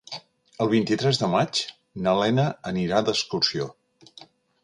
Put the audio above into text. El vint-i-tres de maig na Lena anirà d'excursió.